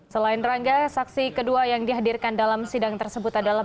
selain rangga saksi kedua yang dihadirkan dalam sidang tersebut adalah